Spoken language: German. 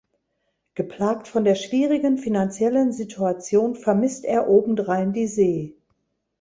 Geplagt von der schwierigen finanziellen Situation vermisst er obendrein die See.